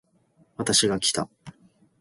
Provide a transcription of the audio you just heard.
私がきた